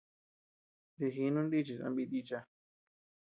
Dijinun nichis ama it icha.